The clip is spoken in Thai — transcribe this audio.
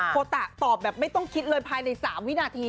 โคตะตอบแบบไม่ต้องคิดเลยภายใน๓วินาที